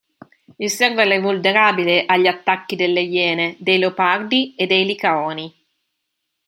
Il serval è vulnerabile agli attacchi delle iene, dei leopardi e dei licaoni.